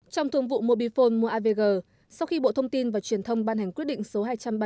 trong thường vụ mobifone mua avg sau khi bộ thông tin và truyền thông ban hành quyết định số hai trăm ba mươi